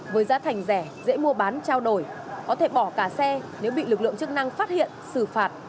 với giá thành rẻ dễ mua bán trao đổi có thể bỏ cả xe nếu bị lực lượng chức năng phát hiện xử phạt